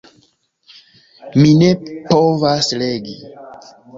Mi ne povas legi.